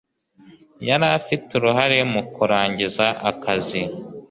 Yari afite uruhare mu kurangiza akazi.